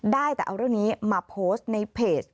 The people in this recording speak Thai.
ได้แต่เอาเรื่องนี้มาโพสต์ในเพจ